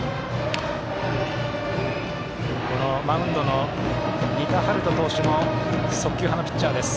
マウンドの仁田陽翔投手も速球派のピッチャーです。